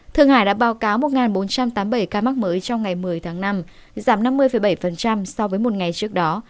thượng hải đã báo cáo một bốn trăm tám mươi bảy ca mắc mới trong ngày một mươi tháng năm giảm năm mươi bảy so với một ngày trước đó